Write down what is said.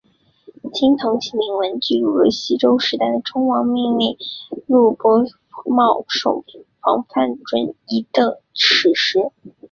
青铜器铭文记录了西周时代的周王命令录伯戍守防范淮夷的史实。